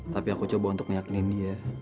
tapi aku coba untuk meyakinin dia